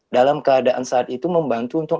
dalam keadaan saat itu membantu untuk